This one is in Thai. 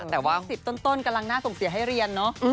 แต่ว่า๑๐ต้นกำลังน่าส่งเสียให้เรียนเนอะ